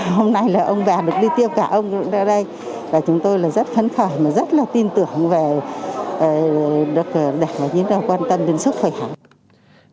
hôm nay là ông bà được đi tiêm cả ông cũng ra đây chúng tôi rất khấn khởi và rất tin tưởng về đạt được những quan tâm đến sức khỏe hẳn